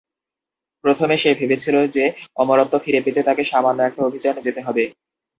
প্রথমে সে ভেবেছিল যে অমরত্ব ফিরে পেতে তাকে সামান্য একটা অভিযানে যেতে হবে।